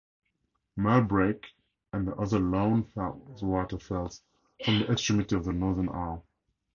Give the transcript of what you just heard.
Mellbreak and the other Loweswater Fells form the extremity of the northern arm.